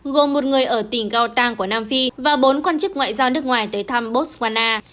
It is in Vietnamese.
gồm một người ở tỉnh gotang của nam phi và bốn quan chức ngoại giao nước ngoài tới thăm botswana